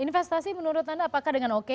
investasi menurut anda apakah dengan oke